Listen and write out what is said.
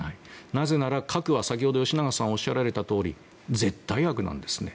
なぜなら、核は吉永さんがおっしゃられたように絶対悪なんですね。